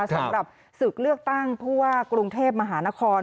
สำหรับศึกเลือกตั้งผู้ว่ากรุงเทพมหานคร